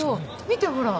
見てほら。